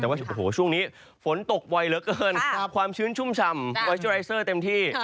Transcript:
แต่ว่าช่วงนี้ฝนตกไวเหลือเกินความชื้นชุ่มชำไวชัลไซเซอร์เต็มที่